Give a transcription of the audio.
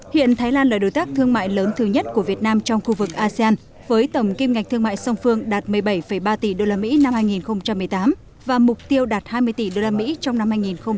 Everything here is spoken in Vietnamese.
hiện thái lan là đối tác thương mại lớn thứ nhất của việt nam trong khu vực asean với tổng kim ngạch thương mại song phương đạt một mươi bảy ba tỷ usd năm hai nghìn một mươi tám và mục tiêu đạt hai mươi tỷ usd trong năm hai nghìn một mươi tám